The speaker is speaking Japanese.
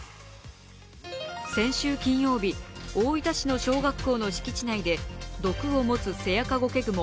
先週金曜日、大分市の小学校の敷地内で毒を持つセアカゴケグモ